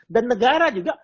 dan negara juga